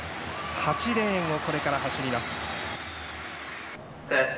８レーンをこれから走ります。